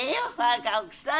若奥さん。